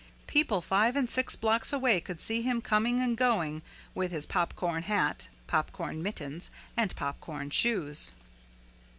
People five and six blocks away could see him coming and going with his popcorn hat, popcorn mittens and popcorn shoes.